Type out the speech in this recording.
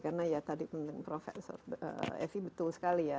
karena ya tadi penelitian prof evi betul sekali ya